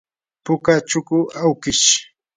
puka chuku awkish.